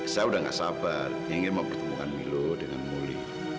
saya udah gak sabar ingin mempertemukan milo dengan muli